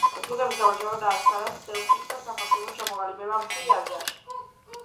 თურქების გამარჯვებამ დააჩქარა სელჩუკთა სახელმწიფოს ჩამოყალიბება მცირე აზიაში.